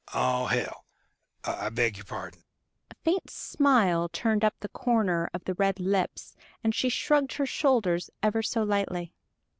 Oh, hell!... I beg your pardon!" A faint smile turned up the corner of the red lips, and she shrugged her shoulders ever so lightly.